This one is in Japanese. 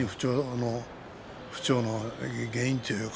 不調の原因というか